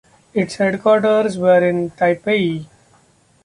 Its headquarters were in Taipei.